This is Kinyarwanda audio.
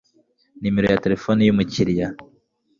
nomero ya telefone y umukiriya